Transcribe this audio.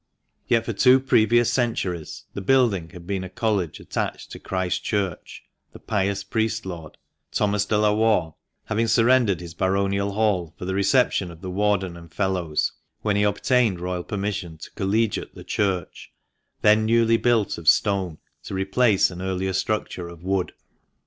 Yet, for two previous centuiies the building had been a College attached to Christ's Church, the pious priest lord, Thomas de la Warr, having surrendered his baronial hall for the reception of the Warden and Fellows when he obtained Royal permission to collegiate the church, then newly built of stone to replace an earlier structure of wood.